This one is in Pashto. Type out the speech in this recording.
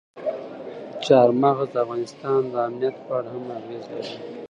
چار مغز د افغانستان د امنیت په اړه هم اغېز لري.